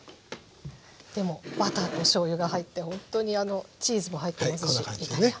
でもバターとしょうゆが入ってほんとにあのチーズも入ってますしイタリアン。